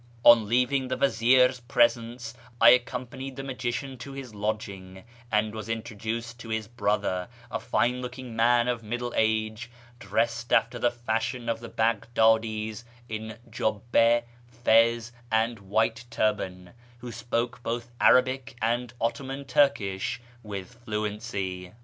On leaving the vazir s presence, I accompanied the magician to his lodging, and was introduced to his brother, a fine looking man of middle age, dressed after the fashion of the Baghdadi's in juliM, fez, and white turban, who spoke both Arabic and Ottoman Turkish with fluency.